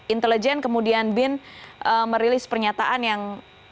intelijen kemudian bin merilis pernyataan yang